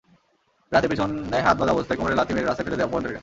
রাতে পেছনে হাত বাঁধা অবস্থায় কোমরে লাথি মেরে রাস্তায় ফেলে দেয় অপহরণকারীরা।